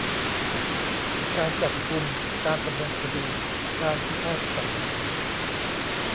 การจับกุม การดำเนินคดี การพิพากษา